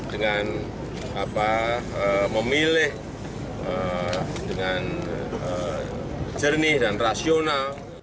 dengan memilih dengan jernih dan rasional